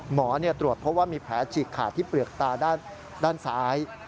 หมอตรวจเพราะว่ามีแผลฉีกขาดที่เปลือกตาด้านซ้าย